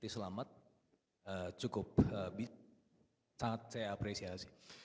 selamat cukup sangat saya apresiasi